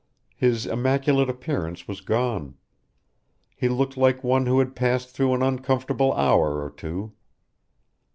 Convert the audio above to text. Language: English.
His immaculate appearance was gone. He looked like one who had passed through an uncomfortable hour or two.